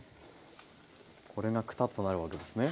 これがくたっとなるわけですね。